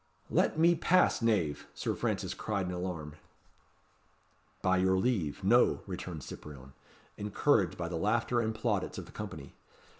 "Let me pass, knave," Sir Francis cried in alarm. "By your leave, no," returned Cyprien, encouraged by the laughter and plaudits of the company.